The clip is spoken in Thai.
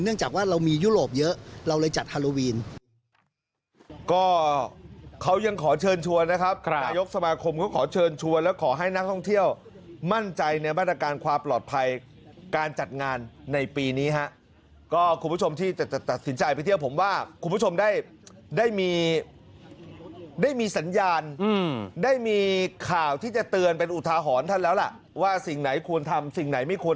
จากว่าเรามียุโรปเยอะเราเลยจัดฮาโลวีน